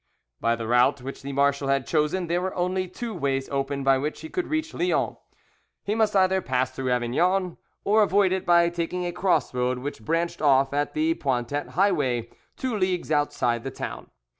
By the route which the marshal had chosen there were only two ways open by which he could reach Lyons: he must either pass through Avignon, or avoid it by taking a cross road, which branched off the Pointet highway, two leagues outside the town.